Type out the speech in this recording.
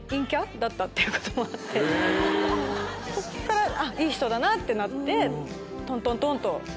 そこからいい人だなってなってトントントン！と。